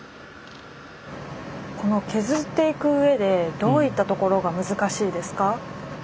削っていくうえでどういったところが難しいですか？